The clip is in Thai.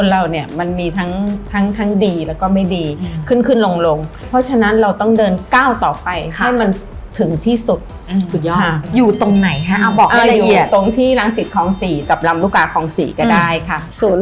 เอาอยู่ตรงที่รังศิษย์คล้องสี่กับรำรูกค้าคล้องสี่ก็ได้ค่ะ